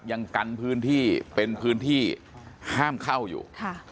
ยังกันพื้นที่เป็นพื้นที่ห้ามเข้าอยู่